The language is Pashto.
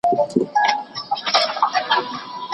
له ظلمه ځان وساته چې په قیامت کې په رڼا کې پاڅېږې.